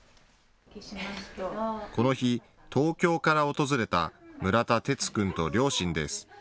この日、東京から訪れた村田哲君と両親です。